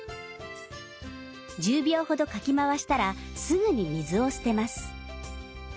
１０秒ほどかき回したらすぐに水を捨てます。